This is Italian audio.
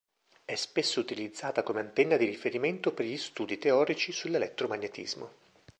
È spesso utilizzata come antenna di riferimento per gli studi teorici sull'elettromagnetismo.